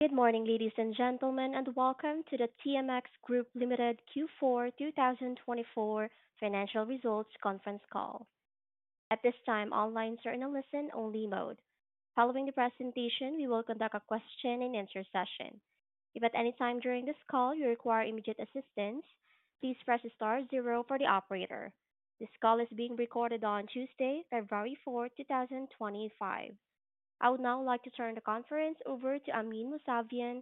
Good morning, ladies and gentlemen, and welcome to the TMX Group Limited Q4 2024 Financial Results Conference Call. At this time, all lines are in a listen-only mode. Following the presentation, we will conduct a question-and-answer session. If at any time during this call you require immediate assistance, please press star zero for the operator. This call is being recorded on Tuesday, February 4, 2025. I would now like to turn the conference over to Amin Mousavian,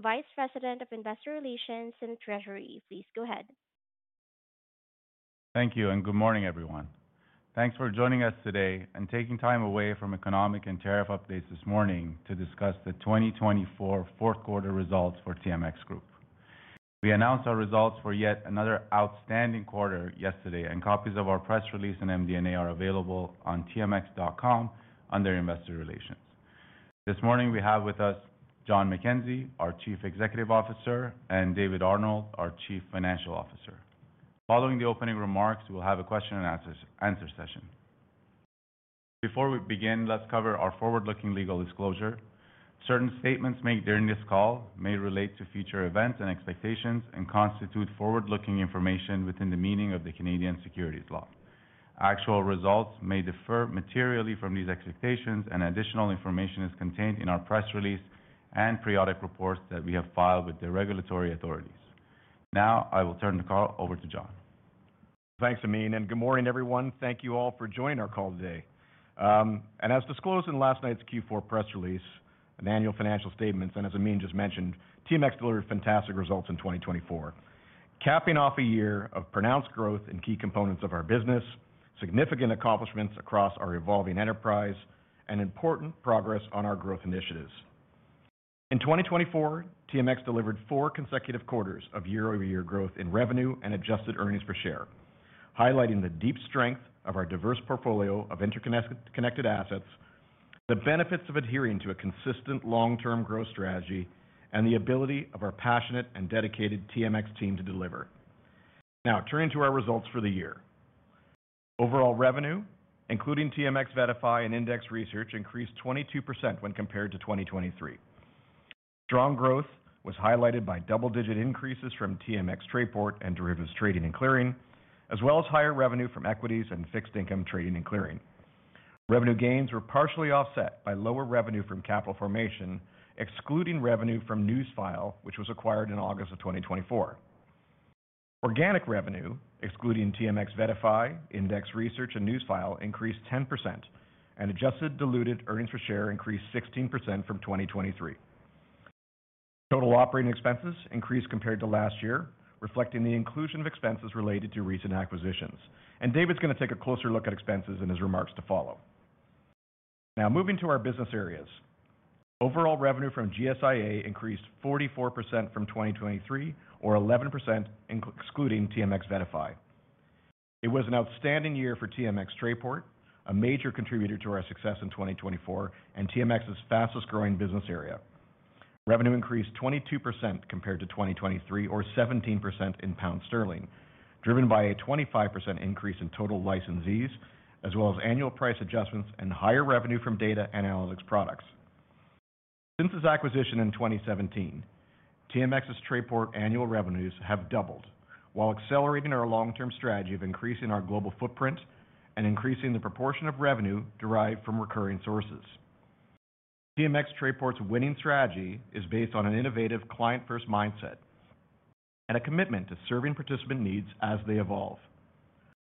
Vice President of Investor Relations and Treasury. Please go ahead. Thank you, and good morning, everyone. Thanks for joining us today and taking time away from economic and tariff updates this morning to discuss the 2024 fourth quarter results for TMX Group. We announced our results for yet another outstanding quarter yesterday, and copies of our press release and MD&A are available on TMX.com under Investor Relations. This morning, we have with us John McKenzie, our Chief Executive Officer, and David Arnold, our Chief Financial Officer. Following the opening remarks, we'll have a question-and-answer session. Before we begin, let's cover our forward-looking legal disclosure. Certain statements made during this call may relate to future events and expectations and constitute forward-looking information within the meaning of the Canadian securities law. Actual results may differ materially from these expectations, and additional information is contained in our press release and periodic reports that we have filed with the regulatory authorities. Now, I will turn the call over to John. Thanks, Amin, and good morning, everyone. Thank you all for joining our call today. And as disclosed in last night's Q4 press release, the annual financial statements, and as Amin just mentioned, TMX delivered fantastic results in 2024, capping off a year of pronounced growth in key components of our business, significant accomplishments across our evolving enterprise, and important progress on our growth initiatives. In 2024, TMX delivered four consecutive quarters of year-over-year growth in revenue and adjusted earnings per share, highlighting the deep strength of our diverse portfolio of interconnected assets, the benefits of adhering to a consistent long-term growth strategy, and the ability of our passionate and dedicated TMX team to deliver. Now, turning to our results for the year, overall revenue, including TMX VettaFi and Index Research, increased 22% when compared to 2023. Strong growth was highlighted by double-digit increases from TMX Trayport and derivatives trading and clearing, as well as higher revenue from equities and fixed income trading and clearing. Revenue gains were partially offset by lower revenue from capital formation, excluding revenue from Newsfile, which was acquired in August of 2024. Organic revenue, excluding TMX VettaFi, Index Research, and Newsfile, increased 10%, and adjusted diluted earnings per share increased 16% from 2023. Total operating expenses increased compared to last year, reflecting the inclusion of expenses related to recent acquisitions. David's going to take a closer look at expenses in his remarks to follow. Now, moving to our business areas, overall revenue from GSIA increased 44% from 2023, or 11% excluding TMX VettaFi. It was an outstanding year for TMX Trayport, a major contributor to our success in 2024, and TMX's fastest-growing business area. Revenue increased 22% compared to 2023, or 17% in pound sterling, driven by a 25% increase in total licensees, as well as annual price adjustments and higher revenue from data analytics products. Since its acquisition in 2017, TMX's Trayport annual revenues have doubled, while accelerating our long-term strategy of increasing our global footprint and increasing the proportion of revenue derived from recurring sources. TMX Trayport's winning strategy is based on an innovative client-first mindset and a commitment to serving participant needs as they evolve.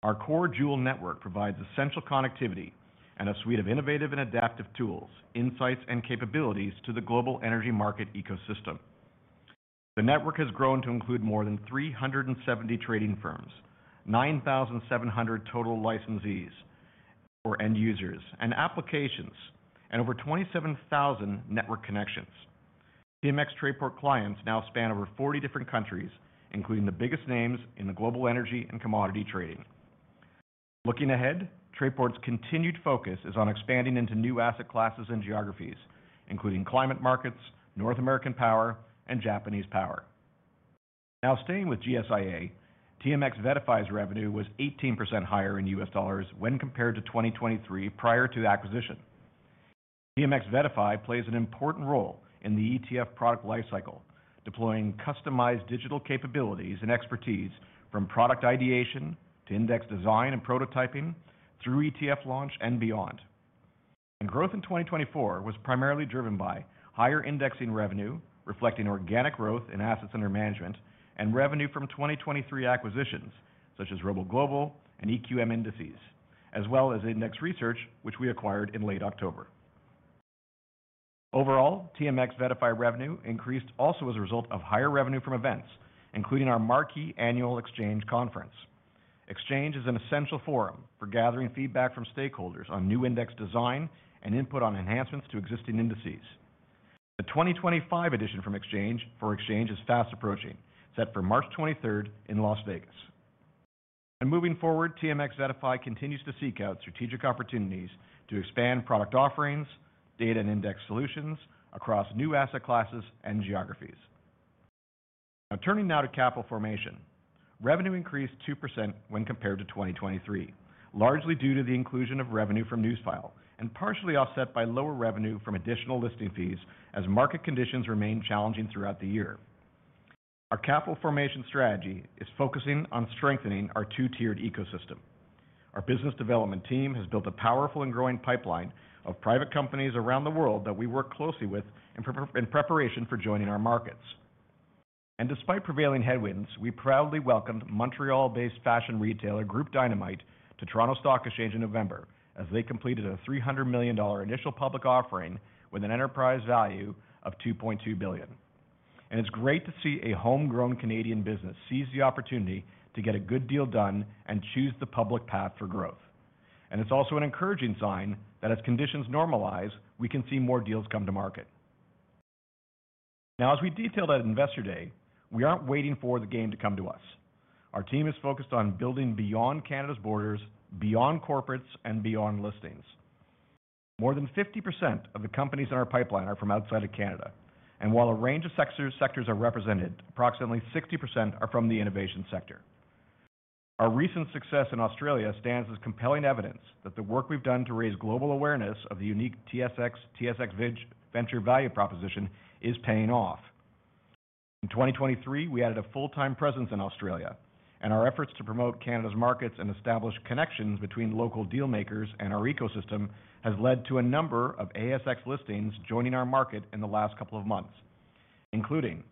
Our core Joule network provides essential connectivity and a suite of innovative and adaptive tools, insights, and capabilities to the global energy market ecosystem. The network has grown to include more than 370 trading firms, 9,700 total licensees or end users, and applications, and over 27,000 network connections. TMX Trayport clients now span over 40 different countries, including the biggest names in the global energy and commodity trading. Looking ahead, Trayport's continued focus is on expanding into new asset classes and geographies, including climate markets, North American Power, and Japanese power. Now, staying with GSIA, TMX VettaFi's revenue was 18% higher in US dollars when compared to 2023 prior to acquisition. TMX VettaFi plays an important role in the ETF product lifecycle, deploying customized digital capabilities and expertise from product ideation to index design and prototyping through ETF launch and beyond. Growth in 2024 was primarily driven by higher indexing revenue, reflecting organic growth in assets under management, and revenue from 2023 acquisitions such as ROBO Global and EQM Indexes, as well as Index Research, which we acquired in late October. Overall, TMX VettaFi revenue increased also as a result of higher revenue from events, including our marquee annual Exchange conference. Exchange is an essential forum for gathering feedback from stakeholders on new index design and input on enhancements to existing indices. The 2025 edition of Exchange is fast approaching, set for March 23rd in Las Vegas. Moving forward, TMX VettaFi continues to seek out strategic opportunities to expand product offerings, data, and index solutions across new asset classes and geographies. Now, turning to capital formation, revenue increased 2% when compared to 2023, largely due to the inclusion of revenue from Newsfile and partially offset by lower revenue from additional listing fees as market conditions remain challenging throughout the year. Our capital formation strategy is focusing on strengthening our two-tiered ecosystem. Our business development team has built a powerful and growing pipeline of private companies around the world that we work closely with in preparation for joining our markets, and despite prevailing headwinds, we proudly welcomed Montreal-based fashion retailer Groupe Dynamite to Toronto Stock Exchange in November as they completed a $300 million initial public offering with an enterprise value of $2.2 billion, and it's great to see a homegrown Canadian business seize the opportunity to get a good deal done and choose the public path for growth, and it's also an encouraging sign that as conditions normalize, we can see more deals come to market. Now, as we detailed at Investor Day, we aren't waiting for the game to come to us. Our team is focused on building beyond Canada's borders, beyond corporates, and beyond listings. More than 50% of the companies in our pipeline are from outside of Canada, and while a range of sectors are represented, approximately 60% are from the innovation sector. Our recent success in Australia stands as compelling evidence that the work we've done to raise global awareness of the unique TSX Venture value proposition is paying off. In 2023, we added a full-time presence in Australia, and our efforts to promote Canada's markets and establish connections between local dealmakers and our ecosystem have led to a number of ASX listings joining our market in the last couple of months, including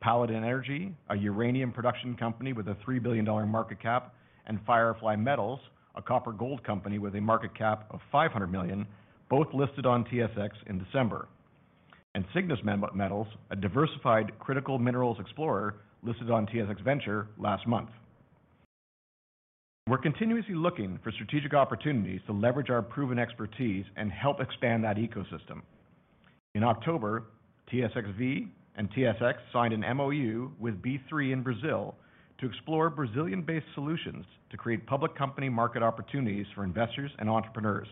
Paladin Energy, a uranium production company with a $3 billion market cap, and Firefly Metals, a copper-gold company with a market cap of $500 million, both listed on TSX in December, and Cygnus Metals, a diversified critical minerals explorer listed on TSX Venture last month. We're continuously looking for strategic opportunities to leverage our proven expertise and help expand that ecosystem. In October, TSXV and TSX signed an MoU with B3 in Brazil to explore Brazilian-based solutions to create public company market opportunities for investors and entrepreneurs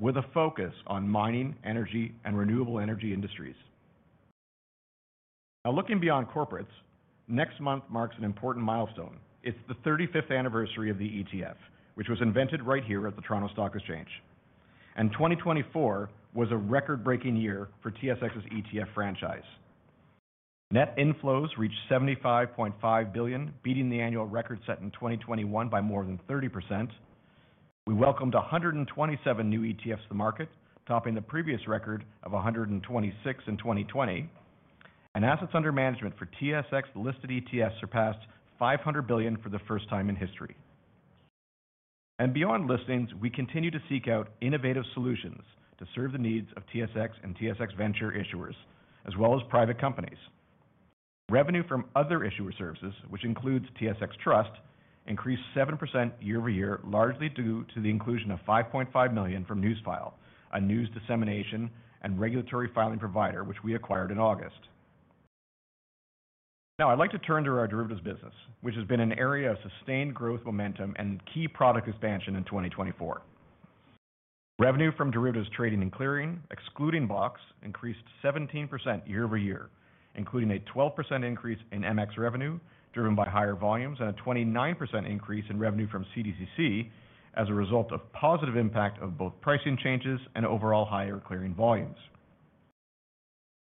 with a focus on mining, energy, and renewable energy industries. Now, looking beyond corporates, next month marks an important milestone. It's the 35th anniversary of the ETF, which was invented right here at the Toronto Stock Exchange. And 2024 was a record-breaking year for TSX's ETF franchise. Net inflows reached $75.5 billion, beating the annual record set in 2021 by more than 30%. We welcomed 127 new ETFs to the market, topping the previous record of 126 in 2020. And assets under management for TSX listed ETFs surpassed $500 billion for the first time in history. Beyond listings, we continue to seek out innovative solutions to serve the needs of TSX and TSX Venture issuers, as well as private companies. Revenue from other issuer services, which includes TSX Trust, increased 7% year-over-year, largely due to the inclusion of $5.5 million from Newsfile, a news dissemination and regulatory filing provider, which we acquired in August. Now, I'd like to turn to our derivatives business, which has been an area of sustained growth momentum and key product expansion in 2024. Revenue from derivatives trading and clearing, excluding BOX, increased 17% year-over-year, including a 12% increase in MX revenue driven by higher volumes and a 29% increase in revenue from CDCC as a result of positive impact of both pricing changes and overall higher clearing volumes.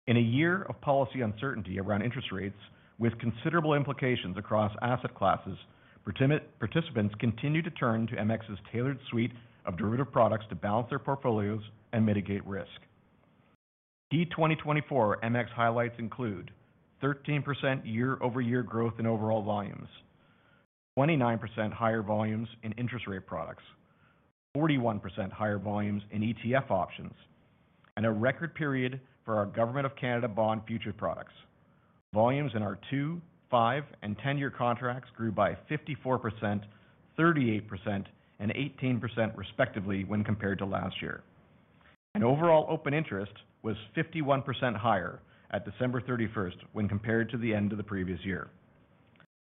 In a year of policy uncertainty around interest rates, with considerable implications across asset classes, participants continue to turn to MX's tailored suite of derivative products to balance their portfolios and mitigate risk. Key 2024 MX highlights include 13% year-over-year growth in overall volumes, 29% higher volumes in interest rate products, 41% higher volumes in ETF options, and a record period for our Government of Canada bond futures products. Volumes in our two, five, and 10-year contracts grew by 54%, 38%, and 18%, respectively, when compared to last year. Overall open interest was 51% higher at December 31st when compared to the end of the previous year.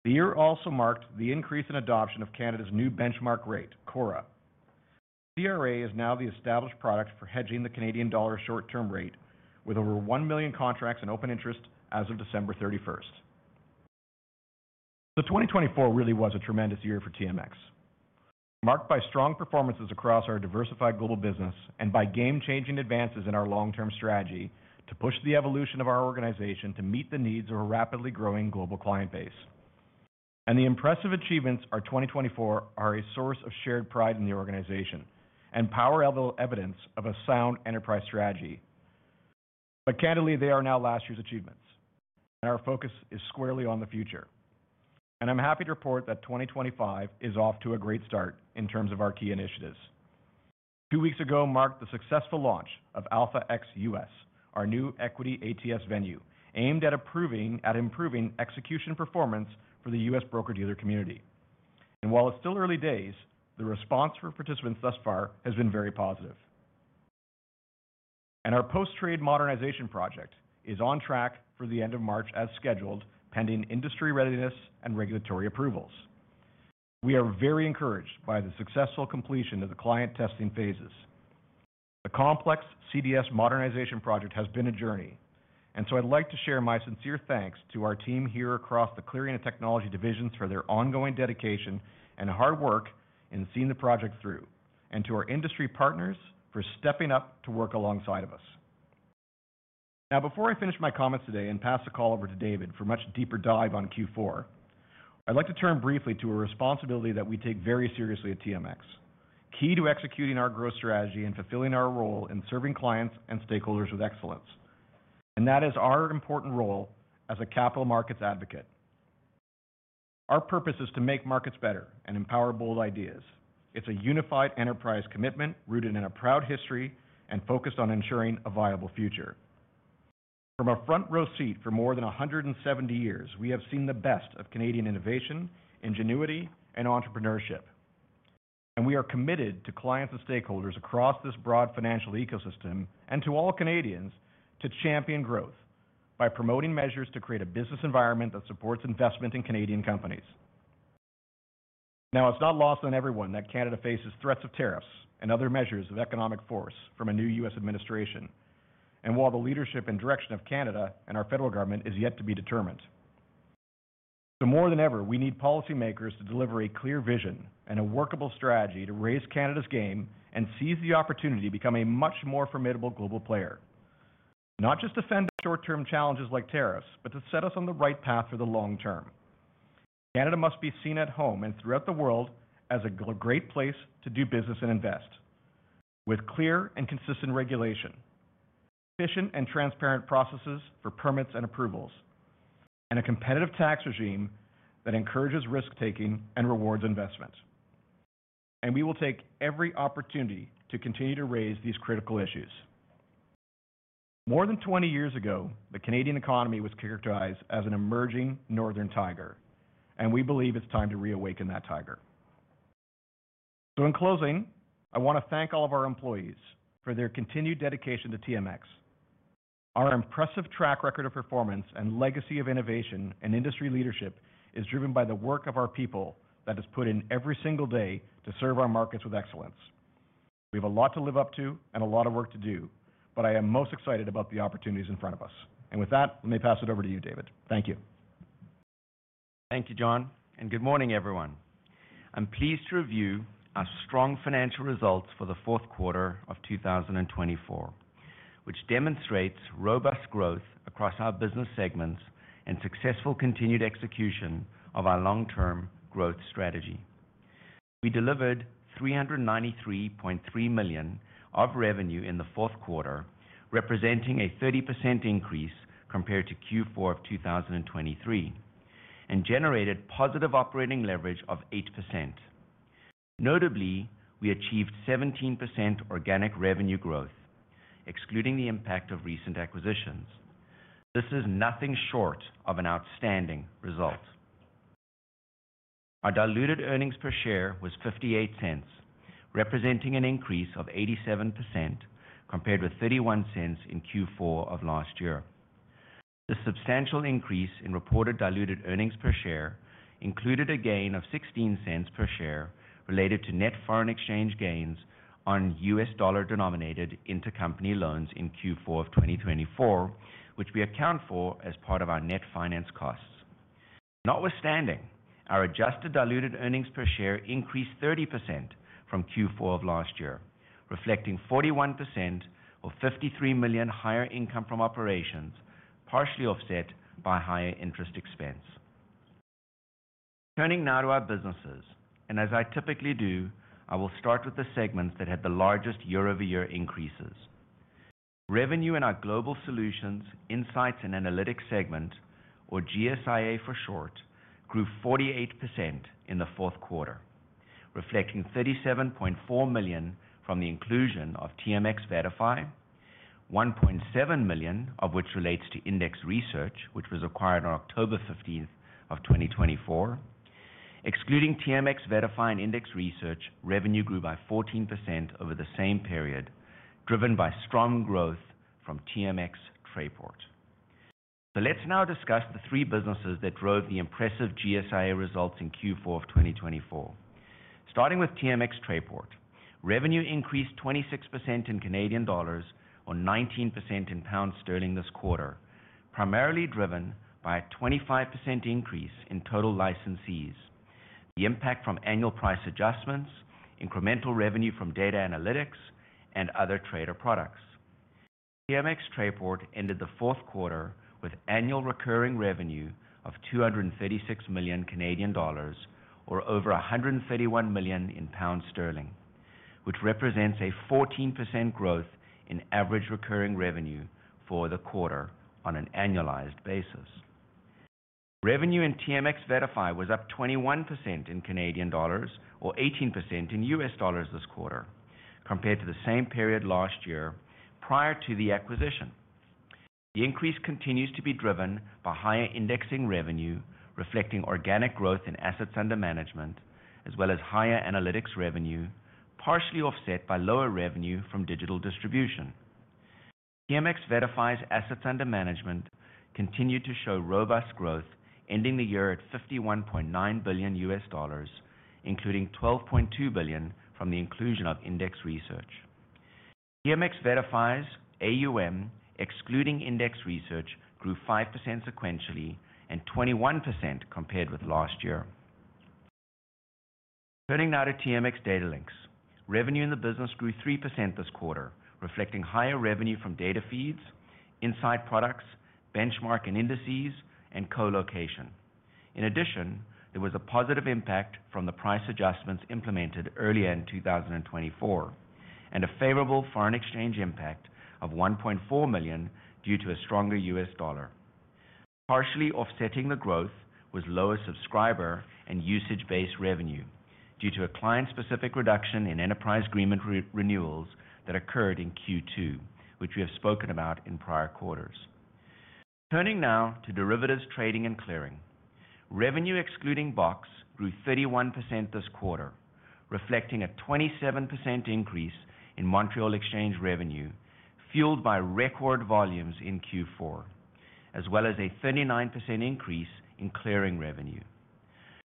The year also marked the increase in adoption of Canada's new benchmark rate, CORRA. CORRA is now the established product for hedging the Canadian dollar short-term rate, with over 1 million contracts in open interest as of December 31st. So 2024 really was a tremendous year for TMX, marked by strong performances across our diversified global business and by game-changing advances in our long-term strategy to push the evolution of our organization to meet the needs of a rapidly growing global client base. And the impressive achievements in 2024 are a source of shared pride in the organization and powerful evidence of a sound enterprise strategy. But candidly, they are now last year's achievements, and our focus is squarely on the future. And I'm happy to report that 2025 is off to a great start in terms of our key initiatives. Two weeks ago marked the successful launch of AlphaX U.S., our new equity ATS venue, aimed at improving execution performance for the U.S. broker-dealer community. And while it's still early days, the response from participants thus far has been very positive. Our Post-Trade Modernization project is on track for the end of March as scheduled, pending industry readiness and regulatory approvals. We are very encouraged by the successful completion of the client testing phases. The complex CDS modernization project has been a journey, and so I'd like to share my sincere thanks to our team here across the clearing and technology divisions for their ongoing dedication and hard work in seeing the project through, and to our industry partners for stepping up to work alongside of us. Now, before I finish my comments today and pass the call over to David for a much deeper dive on Q4, I'd like to turn briefly to a responsibility that we take very seriously at TMX, key to executing our growth strategy and fulfilling our role in serving clients and stakeholders with excellence. That is our important role as a capital markets advocate. Our purpose is to make markets better and empower bold ideas. It's a unified enterprise commitment rooted in a proud history and focused on ensuring a viable future. From a front-row seat for more than 170 years, we have seen the best of Canadian innovation, ingenuity, and entrepreneurship. We are committed to clients and stakeholders across this broad financial ecosystem and to all Canadians to champion growth by promoting measures to create a business environment that supports investment in Canadian companies. Now, it's not lost on everyone that Canada faces threats of tariffs and other measures of economic force from a new U.S. administration, and while the leadership and direction of Canada and our federal government is yet to be determined. So more than ever, we need policymakers to deliver a clear vision and a workable strategy to raise Canada's game and seize the opportunity to become a much more formidable global player, not just to fend short-term challenges like tariffs, but to set us on the right path for the long term. Canada must be seen at home and throughout the world as a great place to do business and invest, with clear and consistent regulation, efficient and transparent processes for permits and approvals, and a competitive tax regime that encourages risk-taking and rewards investment. And we will take every opportunity to continue to raise these critical issues. More than 20 years ago, the Canadian economy was characterized as an emerging northern tiger, and we believe it's time to reawaken that tiger. So in closing, I want to thank all of our employees for their continued dedication to TMX. Our impressive track record of performance and legacy of innovation and industry leadership is driven by the work of our people that is put in every single day to serve our markets with excellence. We have a lot to live up to and a lot of work to do, but I am most excited about the opportunities in front of us, and with that, let me pass it over to you, David. Thank you. Thank you, John. Good morning, everyone. I'm pleased to review our strong financial results for the fourth quarter of 2024, which demonstrates robust growth across our business segments and successful continued execution of our long-term growth strategy. We delivered $393.3 million of revenue in the fourth quarter, representing a 30% increase compared to Q4 of 2023, and generated positive operating leverage of 8%. Notably, we achieved 17% organic revenue growth, excluding the impact of recent acquisitions. This is nothing short of an outstanding result. Our diluted earnings per share was $0.58, representing an increase of 87% compared with $0.31 in Q4 of last year. The substantial increase in reported diluted earnings per share included a gain of $0.16 per share related to net foreign exchange gains on U.S. dollar-denominated intercompany loans in Q4 of 2024, which we account for as part of our net finance costs. Notwithstanding, our adjusted diluted earnings per share increased 30% from Q4 of last year, reflecting 41% or $53 million higher income from operations, partially offset by higher interest expense. Turning now to our businesses, and as I typically do, I will start with the segments that had the largest year-over-year increases. Revenue in our global solutions, insights, and analytics segment, or GSIA for short, grew 48% in the fourth quarter, reflecting $37.4 million from the inclusion of TMX VettaFi, $1.7 million, of which relates to Index Research, which was acquired on October 15th of 2024. Excluding TMX VettaFi and Index Research, revenue grew by 14% over the same period, driven by strong growth from TMX Trayport. So let's now discuss the three businesses that drove the impressive GSIA results in Q4 of 2024. Starting with TMX Trayport, revenue increased 26% in Canadian dollars or 19% in pound sterling this quarter, primarily driven by a 25% increase in total licensees, the impact from annual price adjustments, incremental revenue from data analytics, and other trader products. TMX Trayport ended the fourth quarter with annual recurring revenue of 236 million Canadian dollars or over 131 million pounds, which represents a 14% growth in average recurring revenue for the quarter on an annualized basis. Revenue in TMX VettaFi was up 21% in Canadian dollars or 18% in US dollars this quarter, compared to the same period last year prior to the acquisition. The increase continues to be driven by higher indexing revenue, reflecting organic growth in assets under management, as well as higher analytics revenue, partially offset by lower revenue from digital distribution. TMX VettaFi's assets under management continued to show robust growth, ending the year at $51.9 billion, including $12.2 billion from the inclusion of Index Research. TMX VettaFi's AUM, excluding Index Research, grew 5% sequentially and 21% compared with last year. Turning now to TMX Datalinx, revenue in the business grew 3% this quarter, reflecting higher revenue from data feeds, insight products, benchmark and indices, and colocation. In addition, there was a positive impact from the price adjustments implemented earlier in 2024 and a favorable foreign exchange impact of $1.4 million due to a stronger U.S. dollar. Partially offsetting the growth was lower subscriber and usage-based revenue due to a client-specific reduction in enterprise agreement renewals that occurred in Q2, which we have spoken about in prior quarters. Turning now to derivatives trading and clearing, revenue excluding BOX grew 31% this quarter, reflecting a 27% increase in Montreal Exchange revenue, fueled by record volumes in Q4, as well as a 39% increase in clearing revenue.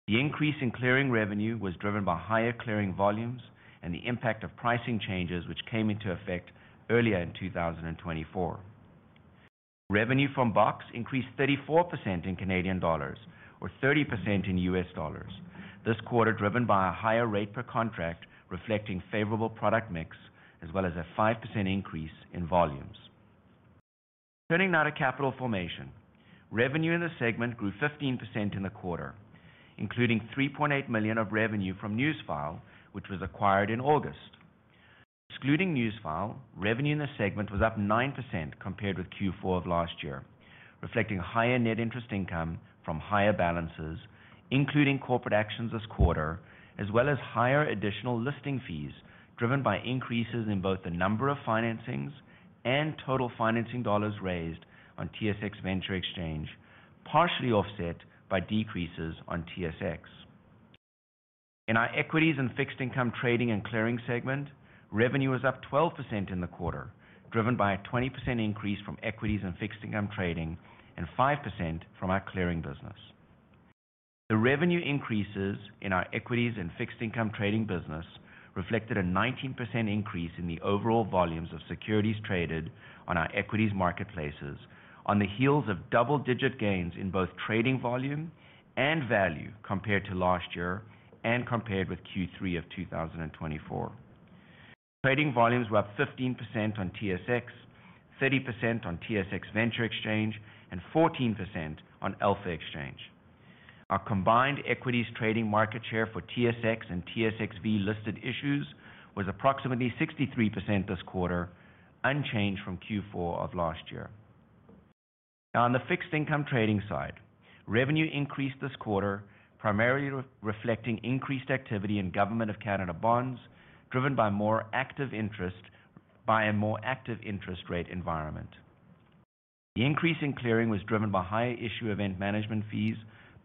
The increase in clearing revenue was driven by higher clearing volumes and the impact of pricing changes, which came into effect earlier in 2024. Revenue from BOX increased 34% in Canadian dollars or 30% in US dollars this quarter, driven by a higher rate per contract, reflecting favorable product mix, as well as a 5% increase in volumes. Turning now to capital formation, revenue in the segment grew 15% in the quarter, including 3.8 million of revenue from Newsfile, which was acquired in August. Excluding Newsfile, revenue in the segment was up 9% compared with Q4 of last year, reflecting higher net interest income from higher balances, including corporate actions this quarter, as well as higher additional listing fees driven by increases in both the number of financings and total financing dollars raised on TSX Venture Exchange, partially offset by decreases on TSX. In our equities and fixed income trading and clearing segment, revenue was up 12% in the quarter, driven by a 20% increase from equities and fixed income trading and 5% from our clearing business. The revenue increases in our equities and fixed income trading business reflected a 19% increase in the overall volumes of securities traded on our equities marketplaces, on the heels of double-digit gains in both trading volume and value compared to last year and compared with Q3 of 2024. Trading volumes were up 15% on TSX, 30% on TSX Venture Exchange, and 14% on Alpha Exchange. Our combined equities trading market share for TSX and TSXV listed issues was approximately 63% this quarter, unchanged from Q4 of last year. Now, on the fixed income trading side, revenue increased this quarter, primarily reflecting increased activity in government of Canada bonds, driven by a more active interest rate environment. The increase in clearing was driven by higher issuer event management fees,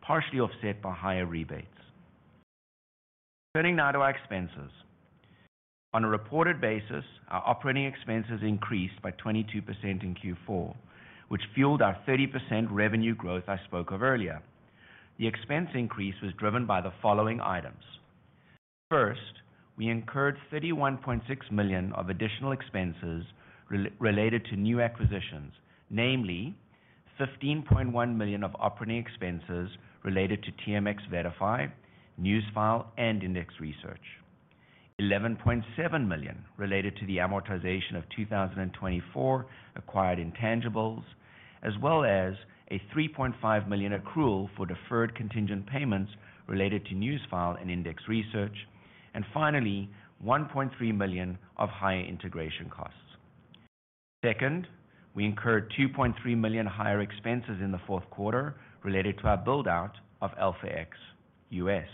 partially offset by higher rebates. Turning now to our expenses. On a reported basis, our operating expenses increased by 22% in Q4, which fueled our 30% revenue growth I spoke of earlier. The expense increase was driven by the following items. First, we incurred $31.6 million of additional expenses related to new acquisitions, namely $15.1 million of operating expenses related to TMX VettaFi, Newsfile, and Index Research, $11.7 million related to the amortization of 2024 acquired intangibles, as well as a $3.5 million accrual for deferred contingent payments related to Newsfile and Index Research, and finally, $1.3 million of higher integration costs. Second, we incurred $2.3 million higher expenses in the fourth quarter related to our buildout of AlphaX U.S.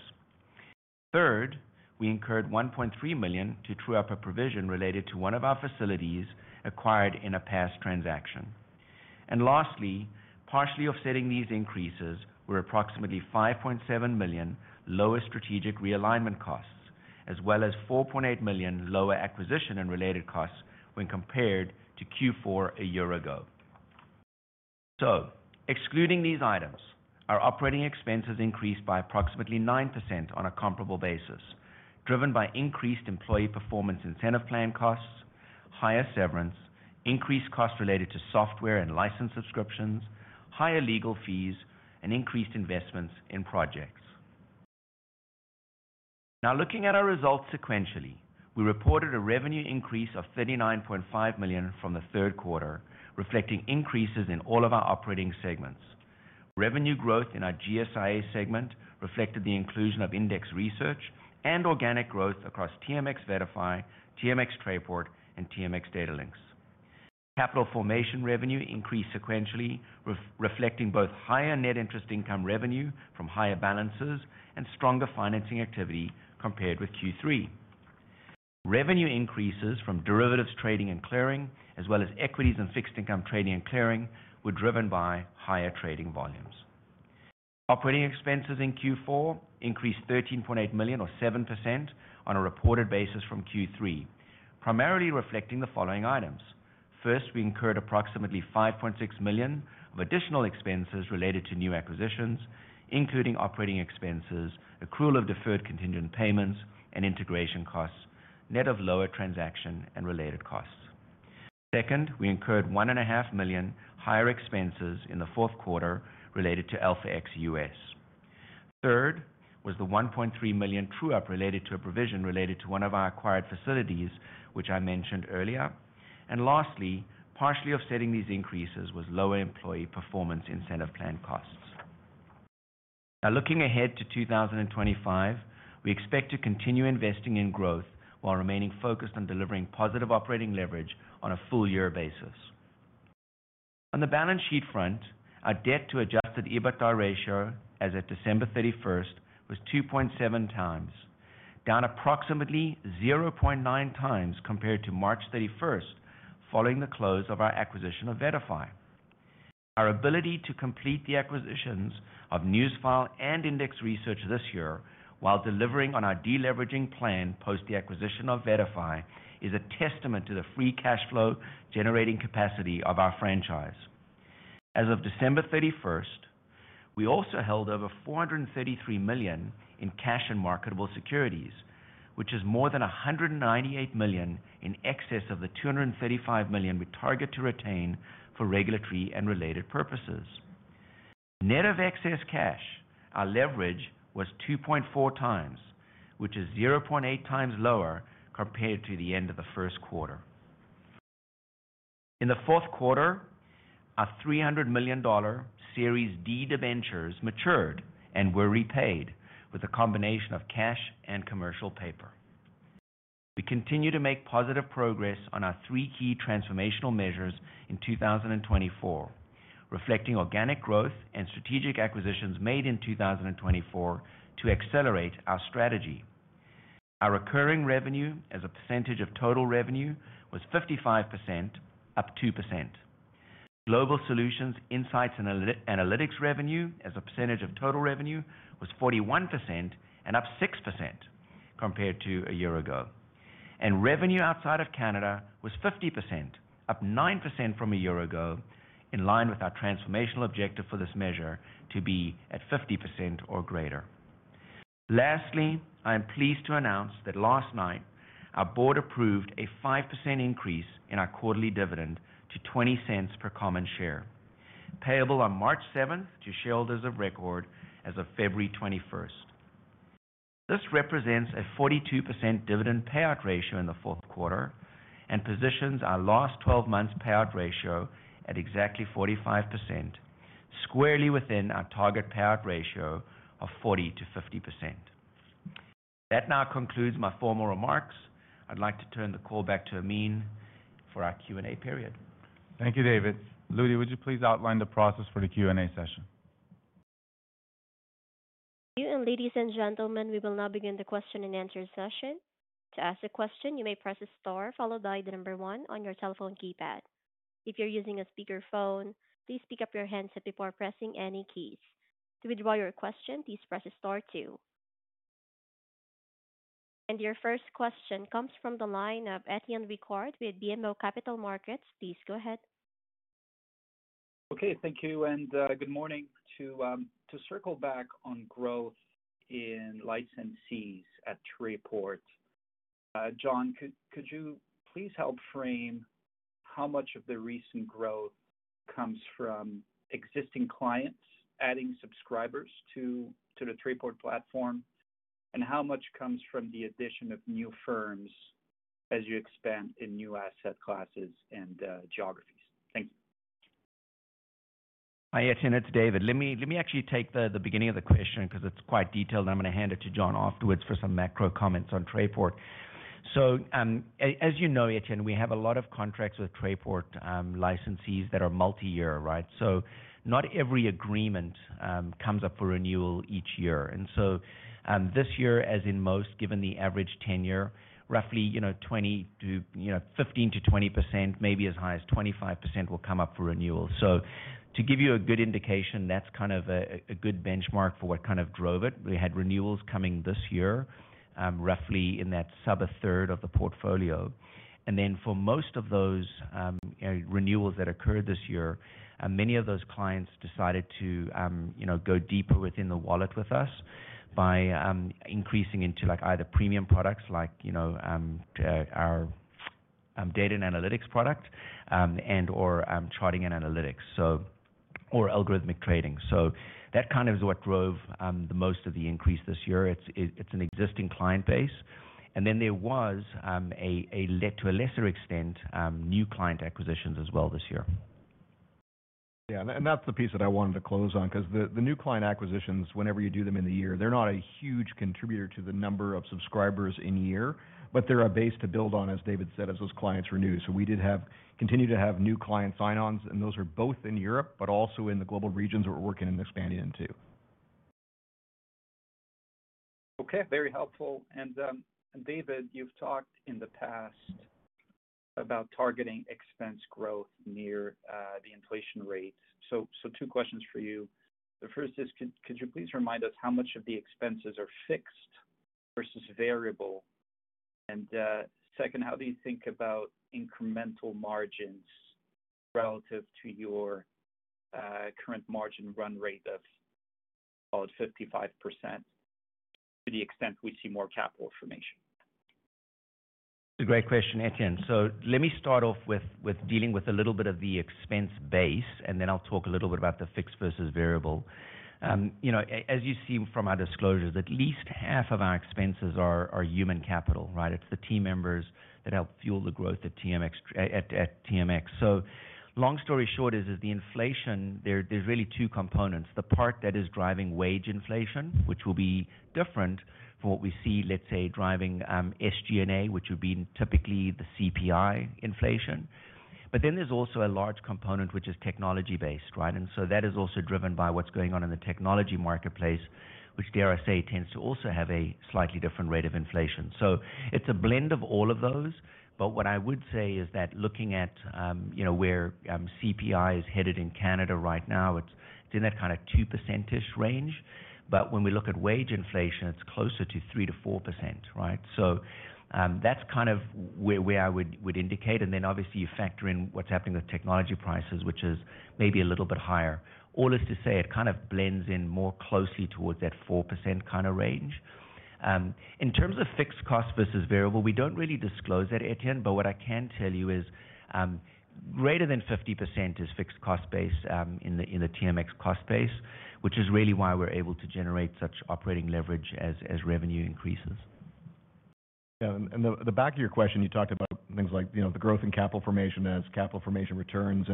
Third, we incurred $1.3 million to true up a provision related to one of our facilities acquired in a past transaction. And lastly, partially offsetting these increases were approximately $5.7 million lower strategic realignment costs, as well as $4.8 million lower acquisition and related costs when compared to Q4 a year ago. Excluding these items, our operating expenses increased by approximately 9% on a comparable basis, driven by increased employee performance incentive plan costs, higher severance, increased costs related to software and license subscriptions, higher legal fees, and increased investments in projects. Now, looking at our results sequentially, we reported a revenue increase of 39.5 million from the third quarter, reflecting increases in all of our operating segments. Revenue growth in our GSIA segment reflected the inclusion of Index Research and organic growth across TMX VettaFi, TMX Trayport, and TMX Datalynx. Capital formation revenue increased sequentially, reflecting both higher net interest income revenue from higher balances and stronger financing activity compared with Q3. Revenue increases from derivatives trading and clearing, as well as equities and fixed income trading and clearing, were driven by higher trading volumes. Operating expenses in Q4 increased $13.8 million or 7% on a reported basis from Q3, primarily reflecting the following items. First, we incurred approximately $5.6 million of additional expenses related to new acquisitions, including operating expenses, accrual of deferred contingent payments, and integration costs, net of lower transaction and related costs. Second, we incurred $1.5 million higher expenses in the fourth quarter related to AlphaX US. Third was the $1.3 million true up related to a provision related to one of our acquired facilities, which I mentioned earlier. And lastly, partially offsetting these increases was lower employee performance incentive plan costs. Now, looking ahead to 2025, we expect to continue investing in growth while remaining focused on delivering positive operating leverage on a full-year basis. On the balance sheet front, our debt-to-adjusted EBITDA ratio as of December 31st was 2.7 times, down approximately 0.9 times compared to March 31st following the close of our acquisition of VettaFi. Our ability to complete the acquisitions of Newsfile and Index Research this year while delivering on our deleveraging plan post the acquisition of VettaFi is a testament to the free cash flow generating capacity of our franchise. As of December 31st, we also held over $433 million in cash and marketable securities, which is more than $198 million in excess of the $235 million we target to retain for regulatory and related purposes. Net of excess cash, our leverage was 2.4 times, which is 0.8 times lower compared to the end of the first quarter. In the fourth quarter, our $300 million Series D debentures matured and were repaid with a combination of cash and commercial paper. We continue to make positive progress on our three key transformational measures in 2024, reflecting organic growth and strategic acquisitions made in 2024 to accelerate our strategy. Our recurring revenue as a percentage of total revenue was 55%, up 2%. Global solutions, insights, and analytics revenue as a percentage of total revenue was 41% and up 6% compared to a year ago, and revenue outside of Canada was 50%, up 9% from a year ago, in line with our transformational objective for this measure to be at 50% or greater. Lastly, I am pleased to announce that last night, our board approved a 5% increase in our quarterly dividend to $0.20 per common share, payable on March 7th to shareholders of record as of February 21st. This represents a 42% dividend payout ratio in the fourth quarter and positions our last 12 months payout ratio at exactly 45%, squarely within our target payout ratio of 40%-50%. That now concludes my formal remarks. I'd like to turn the call back to Amin for our Q&A period. Thank you, David. Louis, would you please outline the process for the Q&A session? Ladies and gentlemen, we will now begin the question and answer session. To ask a question, you may press the star followed by the number one on your telephone keypad. If you're using a speakerphone, please pick up your handset before pressing any keys. To withdraw your question, please press the star two. Your first question comes from the line of Étienne Ricard with BMO Capital Markets. Please go ahead. Okay, thank you. And good morning. To circle back on growth in licensees at Trayport, John, could you please help frame how much of the recent growth comes from existing clients adding subscribers to the Trayport platform, and how much comes from the addition of new firms as you expand in new asset classes and geographies? Thank you. Hi, Étienne. It's David. Let me actually take the beginning of the question because it's quite detailed, and I'm going to hand it to John afterwards for some macro comments on Trayport. So, as you know, Etienne, we have a lot of contracts with Trayport licensees that are multi-year, right? So not every agreement comes up for renewal each year. And so this year, as in most, given the average tenure, roughly 15%-20%, maybe as high as 25% will come up for renewal. To give you a good indication, that's kind of a good benchmark for what kind of drove it. We had renewals coming this year, roughly about a third of the portfolio. Then for most of those renewals that occurred this year, many of those clients decided to go deeper within the wallet with us by increasing into either premium products like our data and analytics product and/or charting and analytics, or algorithmic trading. That kind of is what drove the most of the increase this year. It's an existing client base. Then there was, to a lesser extent, new client acquisitions as well this year. Yeah, and that's the piece that I wanted to close on because the new client acquisitions, whenever you do them in the year, they're not a huge contributor to the number of subscribers in year, but they're a base to build on, as David said, as those clients renew. So we did continue to have new client sign-ons, and those are both in Europe, but also in the global regions that we're working and expanding into. Okay, very helpful. And David, you've talked in the past about targeting expense growth near the inflation rate. So, two questions for you. The first is, could you please remind us how much of the expenses are fixed versus variable? And second, how do you think about incremental margins relative to your current margin run rate of, call it, 55% to the extent we see more capital formation? That's a great question, Etienne. So, let me start off with dealing with a little bit of the expense base, and then I'll talk a little bit about the fixed versus variable. As you see from our disclosures, at least half of our expenses are human capital, right? It's the team members that help fuel the growth at TMX. So, long story short, is the inflation. There's really two components. The part that is driving wage inflation, which will be different from what we see, let's say, driving SG&A, which would be typically the CPI inflation. But then there's also a large component, which is technology-based, right? And so that is also driven by what's going on in the technology marketplace, which, dare I say, tends to also have a slightly different rate of inflation. So, it's a blend of all of those. But what I would say is that looking at where CPI is headed in Canada right now, it's in that kind of 2%-ish range. But when we look at wage inflation, it's closer to 3%-4%, right? So, that's kind of where I would indicate. And then, obviously, you factor in what's happening with technology prices, which is maybe a little bit higher. All is to say, it kind of blends in more closely towards that 4% kind of range. In terms of fixed cost versus variable, we don't really disclose that, Etienne. But what I can tell you is greater than 50% is fixed cost base in the TMX cost base, which is really why we're able to generate such operating leverage as revenue increases. Yeah, and the back of your question, you talked about things like the growth in capital formation as capital formation returns.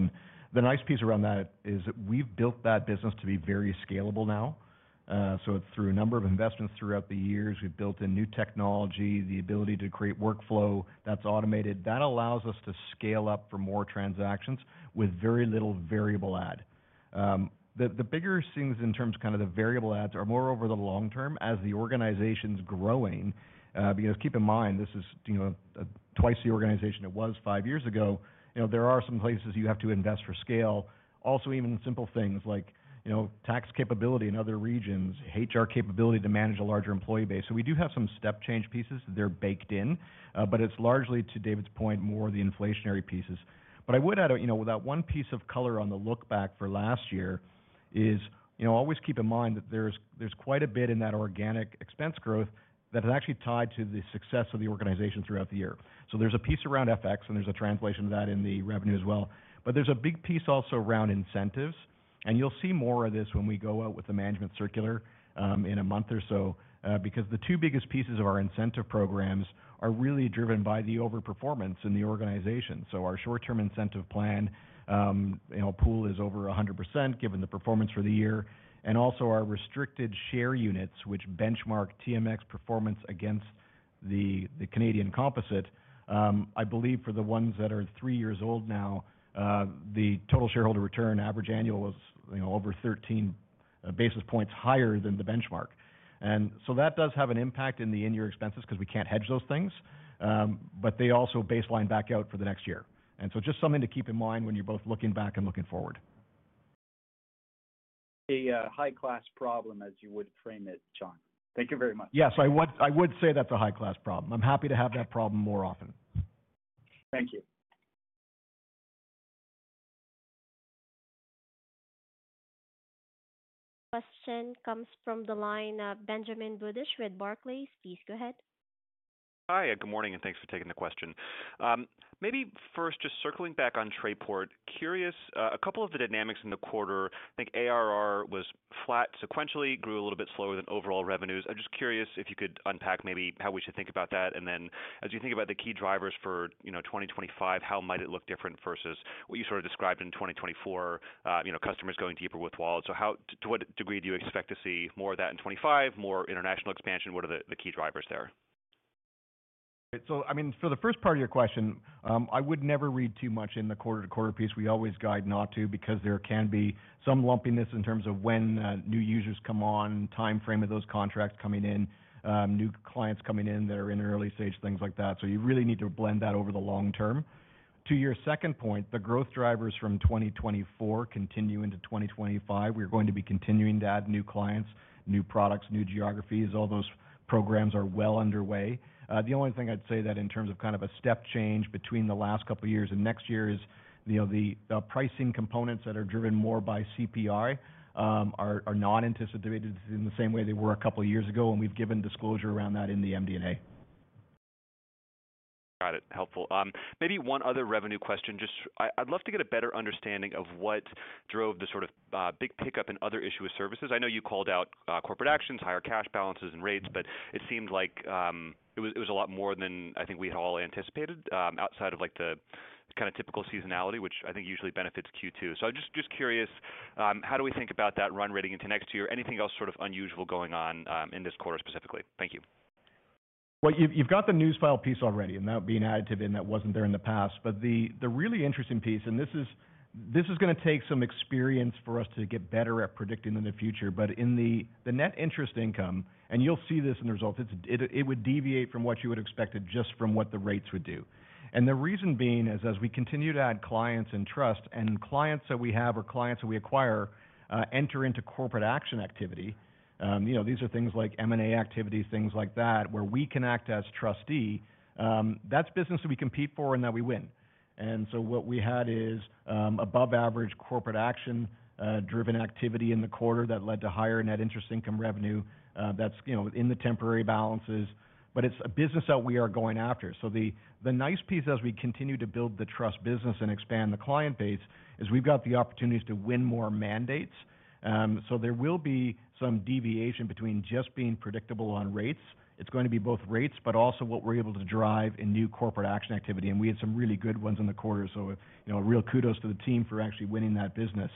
The nice piece around that is we've built that business to be very scalable now. So, through a number of investments throughout the years, we've built in new technology, the ability to create workflow that's automated. That allows us to scale up for more transactions with very little variable add. The bigger things in terms of kind of the variable adds are more over the long term as the organization's growing. Because keep in mind, this is twice the organization it was five years ago. There are some places you have to invest for scale. Also, even simple things like tax capability in other regions, HR capability to manage a larger employee base. So, we do have some step change pieces. They're baked in. But it's largely, to David's point, more the inflationary pieces. But I would add that one piece of color on the look back for last year is always keep in mind that there's quite a bit in that organic expense growth that is actually tied to the success of the organization throughout the year. So, there's a piece around FX, and there's a translation of that in the revenue as well. But there's a big piece also around incentives. And you'll see more of this when we go out with the management circular in a month or so. Because the two biggest pieces of our incentive programs are really driven by the overperformance in the organization. So, our short-term incentive plan pool is over 100% given the performance for the year. And also, our restricted share units, which benchmark TMX performance against the Canadian composite, I believe for the ones that are three years old now, the total shareholder return average annual was over 13 basis points higher than the benchmark. And so, that does have an impact in the in-year expenses because we can't hedge those things. But they also baseline back out for the next year. And so, just something to keep in mind when you're both looking back and looking forward. A high-class problem, as you would frame it, John. Thank you very much. Yes, I would say that's a high-class problem. I'm happy to have that problem more often. Thank you. Question comes from the line of Benjamin Budish with Barclays. Please go ahead. Hi, and good morning, and thanks for taking the question. Maybe first, just circling back on Trayport, curious a couple of the dynamics in the quarter. I think ARR was flat sequentially, grew a little bit slower than overall revenues. I'm just curious if you could unpack maybe how we should think about that. And then, as you think about the key drivers for 2025, how might it look different versus what you sort of described in 2024, customers going deeper with wallet? So, to what degree do you expect to see more of that in 2025, more international expansion? What are the key drivers there? Right. So, I mean, for the first part of your question, I would never read too much in the quarter-to-quarter piece. We always guide not to because there can be some lumpiness in terms of when new users come on, timeframe of those contracts coming in, new clients coming in that are in early stage, things like that. So, you really need to blend that over the long term. To your second point, the growth drivers from 2024 continue into 2025. We're going to be continuing to add new clients, new products, new geographies. All those programs are well underway. The only thing I'd say that in terms of kind of a step change between the last couple of years and next year is the pricing components that are driven more by CPI are not anticipated in the same way they were a couple of years ago. And we've given disclosure around that in the MD&A. Got it. Helpful. Maybe one other revenue question. Just, I'd love to get a better understanding of what drove the sort of big pickup in other issuer services. I know you called out corporate actions, higher cash balances and rates, but it seemed like it was a lot more than I think we had all anticipated outside of the kind of typical seasonality, which I think usually benefits Q2. So, I'm just curious, how do we think about that run-rate into next year? Anything else sort of unusual going on in this quarter specifically? Thank you. Well, you've got the Newsfile piece already, and that being added to then that wasn't there in the past. But the really interesting piece, and this is going to take some experience for us to get better at predicting in the future, but in the Net Interest Income, and you'll see this in the results, it would deviate from what you would expect just from what the rates would do. And the reason being is as we continue to add clients and trust, and clients that we have or clients that we acquire enter into corporate action activity. These are things like M&A activities, things like that, where we can act as trustee. That's business that we compete for and that we win. And so, what we had is above-average corporate action-driven activity in the quarter that led to higher Net Interest Income revenue. That's in the temporary balances. But it's a business that we are going after. The nice piece as we continue to build the trust business and expand the client base is we've got the opportunities to win more mandates, so there will be some deviation between just being predictable on rates. It's going to be both rates, but also what we're able to drive in new corporate action activity, and we had some really good ones in the quarter, so real kudos to the team for actually winning that business.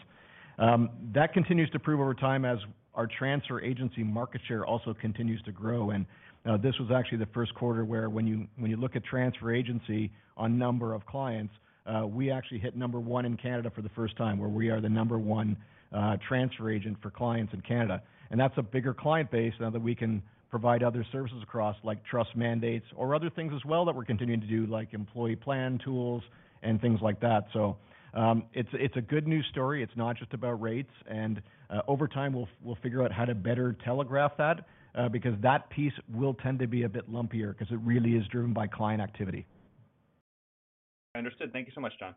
That continues to prove over time as our transfer agency market share also continues to grow, and this was actually the first quarter where, when you look at transfer agency on number of clients, we actually hit number one in Canada for the first time, where we are the number one transfer agent for clients in Canada. That's a bigger client base now that we can provide other services across like trust mandates or other things as well that we're continuing to do, like employee plan tools and things like that. So, it's a good news story. It's not just about rates. And over time, we'll figure out how to better telegraph that because that piece will tend to be a bit lumpier because it really is driven by client activity. Understood. Thank you so much, John.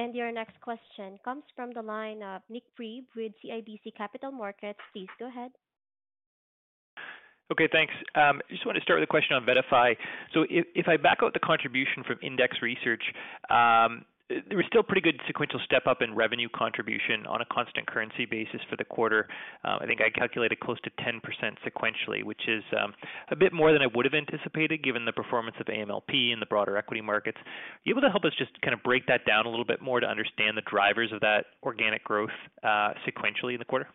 And your next question comes from the line of Nik Priebe with CIBC Capital Markets. Please go ahead. Okay, thanks. I just wanted to start with a question on VettaFi. So, if I back out the contribution from Index Research, there was still pretty good sequential step-up in revenue contribution on a constant currency basis for the quarter. I think I calculated close to 10% sequentially, which is a bit more than I would have anticipated given the performance of AMLP and the broader equity markets. Are you able to help us just kind of break that down a little bit more to understand the drivers of that organic growth sequentially in the quarter?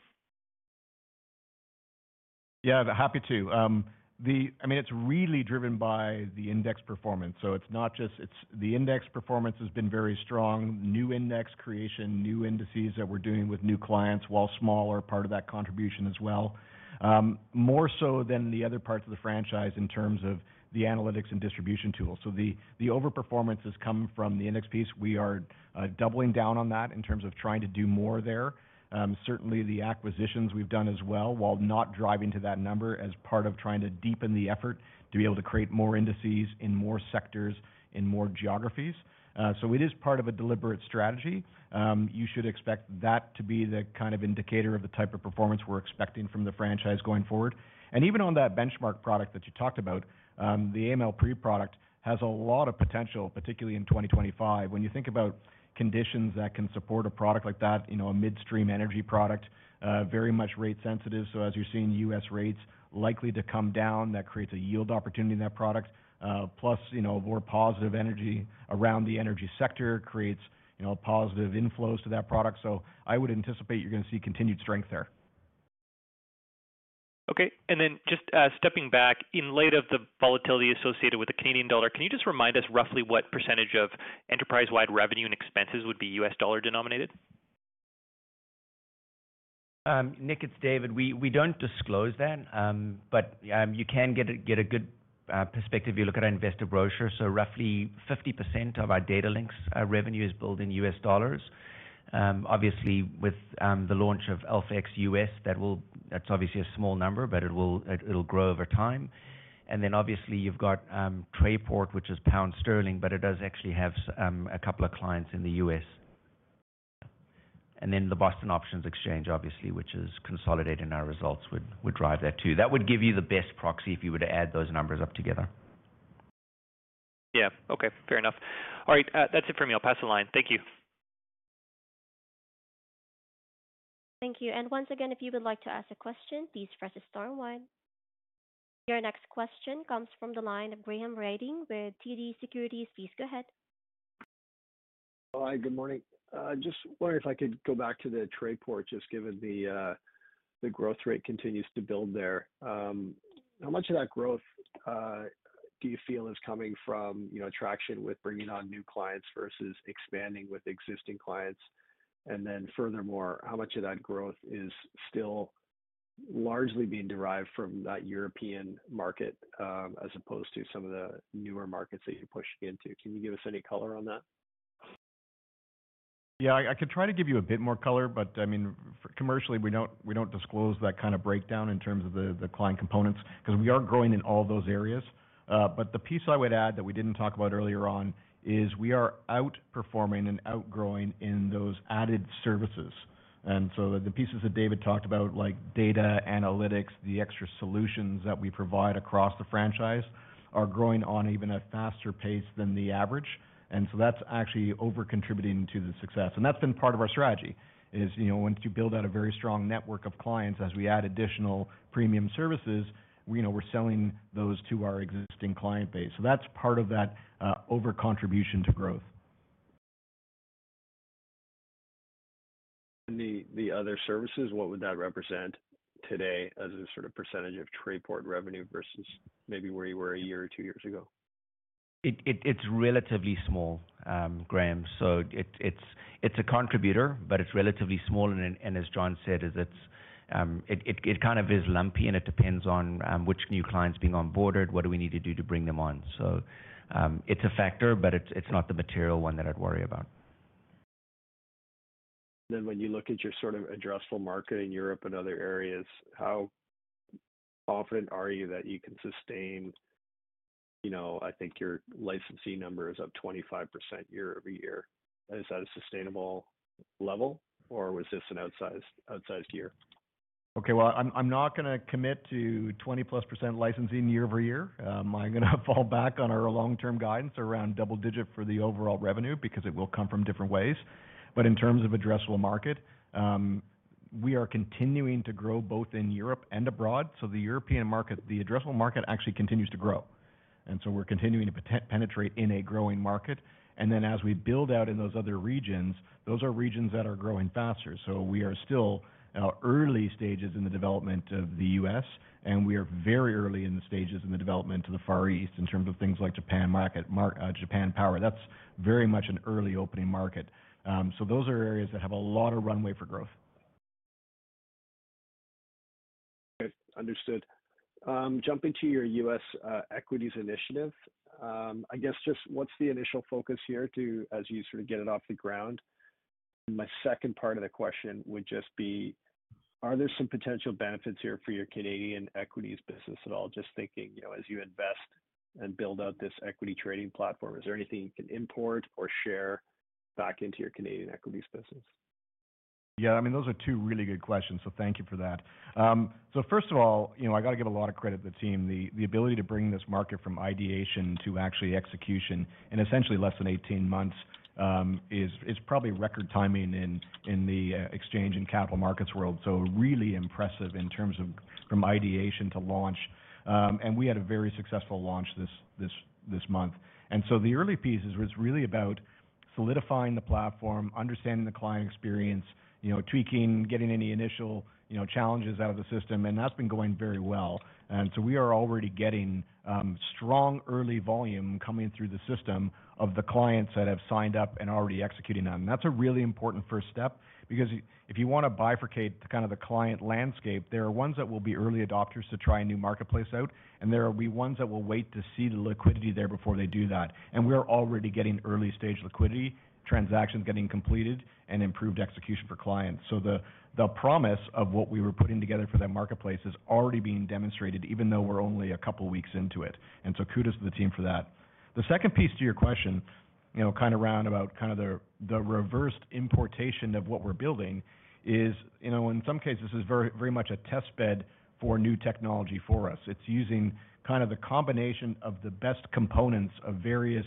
Yeah, happy to. I mean, it's really driven by the index performance. So, it's not just the index performance has been very strong, new index creation, new indices that we're doing with new clients while smaller part of that contribution as well, more so than the other parts of the franchise in terms of the analytics and distribution tools. So, the overperformance has come from the index piece. We are doubling down on that in terms of trying to do more there. Certainly, the acquisitions we've done as well, while not driving to that number as part of trying to deepen the effort to be able to create more indices in more sectors, in more geographies. So, it is part of a deliberate strategy. You should expect that to be the kind of indicator of the type of performance we're expecting from the franchise going forward. And even on that benchmark product that you talked about, the AMLP product has a lot of potential, particularly in 2025. When you think about conditions that can support a product like that, a midstream energy product, very much rate sensitive. So, as you're seeing U.S. rates likely to come down, that creates a yield opportunity in that product. Plus, more positive energy around the energy sector creates positive inflows to that product. So, I would anticipate you're going to see continued strength there. Okay. And then just stepping back, in light of the volatility associated with the Canadian dollar, can you just remind us roughly what percentage of enterprise-wide revenue and expenses would be U.S. dollar denominated? Nick, it's David. We don't disclose that. But you can get a good perspective if you look at our investor brochure. So, roughly 50% of our Datalynx revenue is built in U.S. dollars. Obviously, with the launch of AlphaX U.S., that's obviously a small number, but it'll grow over time. And then, obviously, you've got Trayport, which is pound sterling, but it does actually have a couple of clients in the U.S. And then the Boston Options Exchange, obviously, which is consolidating our results, would drive that too. That would give you the best proxy if you were to add those numbers up together. Yeah. Okay. Fair enough. All right. That's it for me. I'll pass the line. Thank you. Thank you. And once again, if you would like to ask a question, please press star one. Your next question comes from the line of Graham Ryding with TD Securities. Please go ahead. Hi, good morning. Just wondering if I could go back to the Trayport, just given the growth rate continues to build there. How much of that growth do you feel is coming from traction with bringing on new clients versus expanding with existing clients? And then, furthermore, how much of that growth is still largely being derived from that European market as opposed to some of the newer markets that you're pushing into? Can you give us any color on that? Yeah, I could try to give you a bit more color. But I mean, commercially, we don't disclose that kind of breakdown in terms of the client components because we are growing in all those areas. But the piece I would add that we didn't talk about earlier on is we are outperforming and outgrowing in those added services. And so, the pieces that David talked about, like data analytics, the extra solutions that we provide across the franchise, are growing on even a faster pace than the average. And so, that's actually over-contributing to the success. And that's been part of our strategy, is once you build out a very strong network of clients, as we add additional premium services, we're selling those to our existing client base. So, that's part of that over-contribution to growth. And the other services, what would that represent today as a sort of percentage of Trayport revenue versus maybe where you were a year or two years ago? It's relatively small, Graham. So, it's a contributor, but it's relatively small. And as John said, it kind of is lumpy, and it depends on which new clients being onboarded, what do we need to do to bring them on. So, it's a factor, but it's not the material one that I'd worry about. And then when you look at your sort of addressable market in Europe and other areas, how confident are you that you can sustain, I think, your licensing numbers of 25% year over year? Is that a sustainable level, or was this an outsized year? Okay. Well, I'm not going to commit to 20-plus% licensing year over year. I'm going to fall back on our long-term guidance around double-digit for the overall revenue because it will come from different ways, but in terms of addressable market, we are continuing to grow both in Europe and abroad, so the European market, the addressable market actually continues to grow, and so we're continuing to penetrate in a growing market, and then as we build out in those other regions, those are regions that are growing faster, so we are still early stages in the development of the U.S., and we are very early in the stages in the development to the Far East in terms of things like Japan market, Japan Power. That's very much an early opening market, so those are areas that have a lot of runway for growth. Okay. Understood. Jumping to your U.S. Equities initiative, I guess just what's the initial focus here as you sort of get it off the ground? And my second part of the question would just be, are there some potential benefits here for your Canadian equities business at all? Just thinking as you invest and build out this equity trading platform, is there anything you can import or share back into your Canadian equities business? Yeah, I mean, those are two really good questions. So, thank you for that. So, first of all, I got to give a lot of credit to the team. The ability to bring this market from ideation to actually execution in essentially less than 18 months is probably record timing in the exchange and capital markets world. So, really impressive in terms of from ideation to launch. And we had a very successful launch this month. And so, the early pieces was really about solidifying the platform, understanding the client experience, tweaking, getting any initial challenges out of the system. And that's been going very well. And so, we are already getting strong early volume coming through the system of the clients that have signed up and are already executing on. And that's a really important first step because if you want to bifurcate kind of the client landscape, there are ones that will be early adopters to try a new marketplace out, and there will be ones that will wait to see the liquidity there before they do that. And we're already getting early-stage liquidity transactions getting completed and improved execution for clients. So, the promise of what we were putting together for that marketplace is already being demonstrated, even though we're only a couple of weeks into it. And so, kudos to the team for that. The second piece to your question, kind of roundabout kind of the reverse importation of what we're building is, in some cases, this is very much a testbed for new technology for us. It's using kind of the combination of the best components of various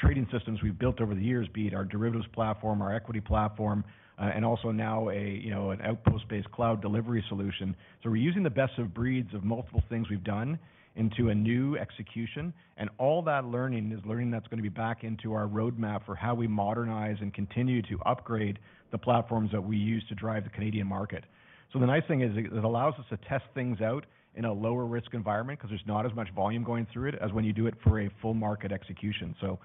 trading systems we've built over the years, be it our derivatives platform, our equity platform, and also now an Outpost-based cloud delivery solution. So, we're using the best of breeds of multiple things we've done into a new execution. And all that learning is learning that's going to be back into our roadmap for how we modernize and continue to upgrade the platforms that we use to drive the Canadian market. So, the nice thing is it allows us to test things out in a lower-risk environment because there's not as much volume going through it as when you do it for a full market execution. So,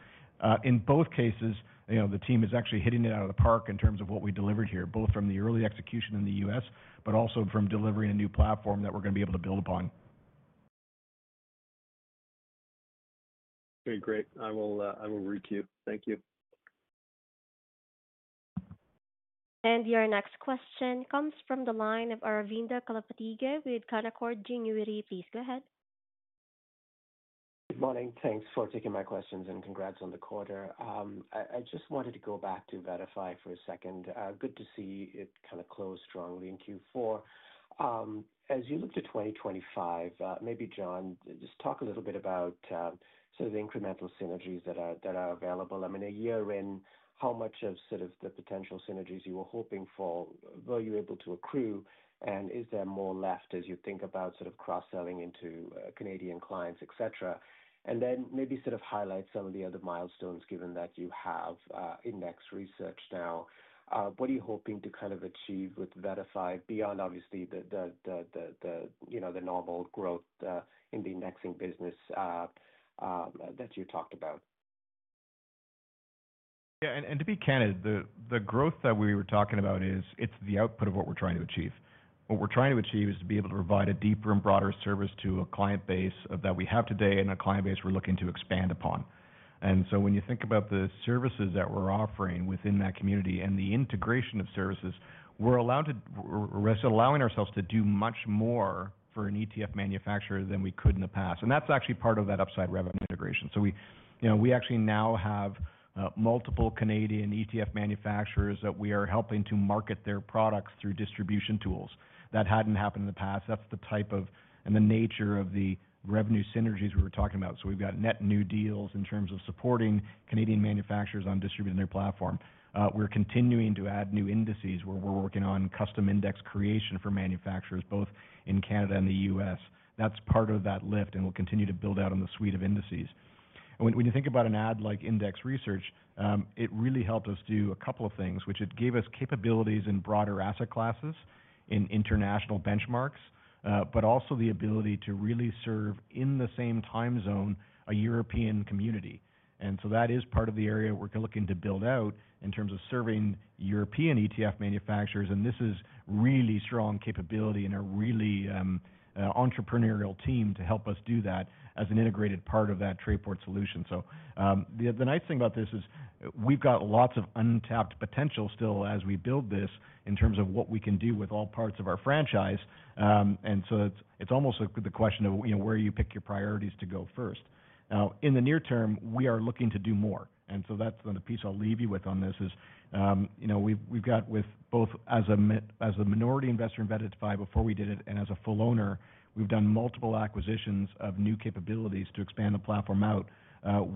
in both cases, the team is actually hitting it out of the park in terms of what we delivered here, both from the early execution in the U.S., but also from delivering a new platform that we're going to be able to build upon. Okay. Great. I will read to you. Thank you. And your next question comes from the line of Aravinda Galappatthige with Canaccord Genuity. Please go ahead. Good morning. Thanks for taking my questions and congrats on the quarter. I just wanted to go back to VettaFi for a second. Good to see it kind of close strongly in Q4. As you look to 2025, maybe, John, just talk a little bit about sort of the incremental synergies that are available. I mean, a year in, how much of sort of the potential synergies you were hoping for, were you able to accrue? And is there more left as you think about sort of cross-selling into Canadian clients, etc.? And then maybe sort of highlight some of the other milestones given that you have Index Research now. What are you hoping to kind of achieve with VettaFi beyond, obviously, the normal growth in the indexing business that you talked about? Yeah, and to be candid, the growth that we were talking about is it's the output of what we're trying to achieve. What we're trying to achieve is to be able to provide a deeper and broader service to a client base that we have today and a client base we're looking to expand upon. And so, when you think about the services that we're offering within that community and the integration of services, we're allowing ourselves to do much more for an ETF manufacturer than we could in the past. And that's actually part of that upside revenue integration. So, we actually now have multiple Canadian ETF manufacturers that we are helping to market their products through distribution tools. That hadn't happened in the past. That's the type of and the nature of the revenue synergies we were talking about. So, we've got net new deals in terms of supporting Canadian manufacturers on distributing their platform. We're continuing to add new indices where we're working on custom index creation for manufacturers both in Canada and the U.S. That's part of that lift, and we'll continue to build out on the suite of indices. When you think about an acquisition like Index Research, it really helped us do a couple of things, which it gave us capabilities in broader asset classes, in international benchmarks, but also the ability to really serve, in the same time zone, a European community. And so, that is part of the area we're looking to build out in terms of serving European ETF manufacturers. And this is really strong capability and a really entrepreneurial team to help us do that as an integrated part of that Trayport solution. So, the nice thing about this is we've got lots of untapped potential still as we build this in terms of what we can do with all parts of our franchise. And so, it's almost the question of where you pick your priorities to go first. Now, in the near term, we are looking to do more. And so, that's the piece I'll leave you with on this. We've got, with both as a minority investor in VettaFi before we did it and as a full owner, we've done multiple acquisitions of new capabilities to expand the platform out.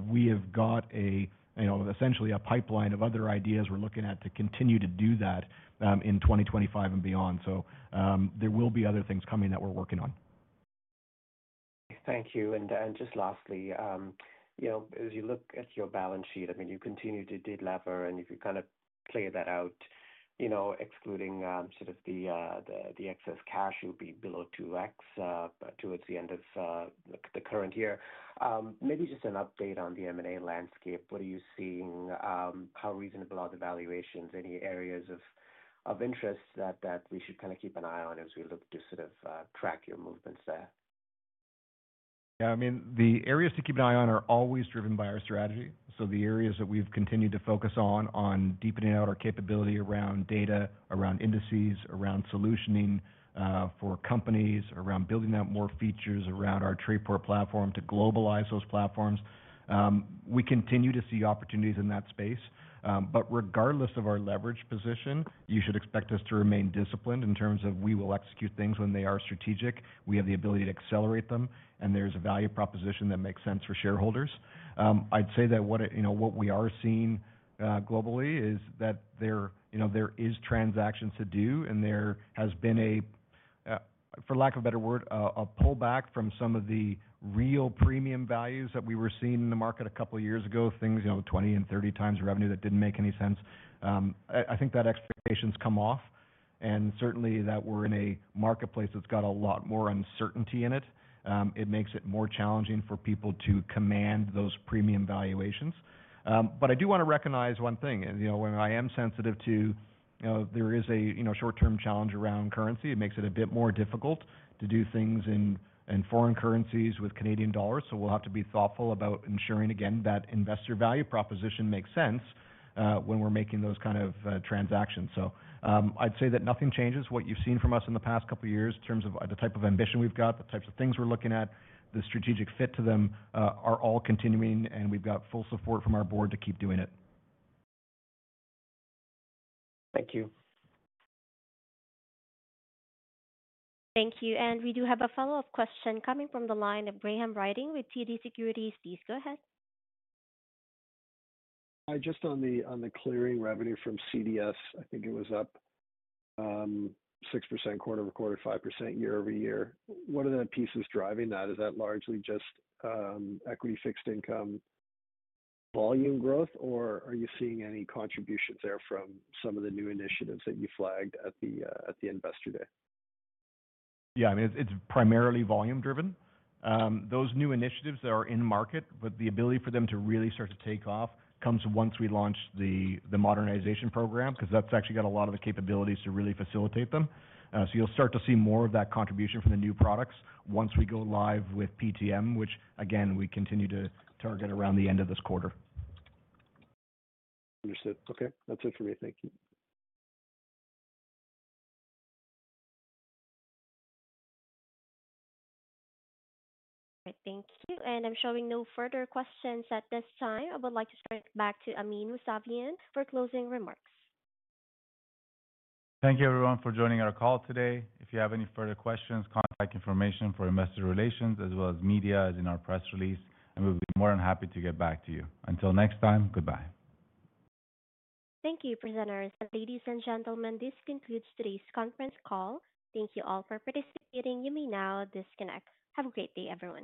We have got essentially a pipeline of other ideas we're looking at to continue to do that in 2025 and beyond. So, there will be other things coming that we're working on. Thank you. And just lastly, as you look at your balance sheet, I mean, you continue to de-lever. And if you kind of clear that out, excluding sort of the excess cash, you'll be below 2x towards the end of the current year. Maybe just an update on the M&A landscape. What are you seeing? How reasonable are the valuations? Any areas of interest that we should kind of keep an eye on as we look to sort of track your movements there? Yeah. I mean, the areas to keep an eye on are always driven by our strategy. So, the areas that we've continued to focus on, on deepening out our capability around data, around indices, around solutioning for companies, around building out more features around our Trayport platform to globalize those platforms. We continue to see opportunities in that space. But regardless of our leverage position, you should expect us to remain disciplined in terms of we will execute things when they are strategic. We have the ability to accelerate them, and there's a value proposition that makes sense for shareholders. I'd say that what we are seeing globally is that there are transactions to do, and there has been a, for lack of a better word, a pullback from some of the real premium values that we were seeing in the market a couple of years ago, things 20 and 30 times revenue that didn't make any sense. I think that expectations come off, and certainly that we're in a marketplace that's got a lot more uncertainty in it. It makes it more challenging for people to command those premium valuations. But I do want to recognize one thing. While I am sensitive to the fact that there is a short-term challenge around currency, it makes it a bit more difficult to do things in foreign currencies with Canadian dollars. So, we'll have to be thoughtful about ensuring, again, that investor value proposition makes sense when we're making those kind of transactions. So, I'd say that nothing changes. What you've seen from us in the past couple of years in terms of the type of ambition we've got, the types of things we're looking at, the strategic fit to them are all continuing, and we've got full support from our board to keep doing it. Thank you. Thank you. And we do have a follow-up question coming from the line of Graham Ryding with TD Securities. Please go ahead. Just on the clearing revenue from CDS, I think it was up 6% quarter-over-quarter, 5% year over year. What are the pieces driving that? Is that largely just equity fixed income volume growth, or are you seeing any contributions there from some of the new initiatives that you flagged at the investor day? Yeah. I mean, it's primarily volume-driven. Those new initiatives that are in market, but the ability for them to really start to take off comes once we launch the modernization program because that's actually got a lot of the capabilities to really facilitate them. So, you'll start to see more of that contribution from the new products once we go live with PTM, which, again, we continue to target around the end of this quarter. Understood. Okay. That's it for me. Thank you. Okay. Thank you. And I'm showing no further questions at this time. I would like to turn it back to Amin Mousavian for closing remarks. Thank you, everyone, for joining our call today. If you have any further questions, contact information for investor relations, as well as media, is in our press release, and we'll be more than happy to get back to you. Until next time, goodbye. Thank you, presenters. Ladies and gentlemen, this concludes today's conference call. Thank you all for participating. You may now disconnect. Have a great day, everyone.